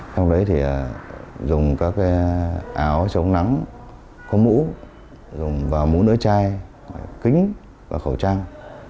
trong đấy thì dùng các áo chống nắng có mũ và mũ nửa chai kính và khẩu trang